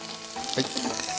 はい。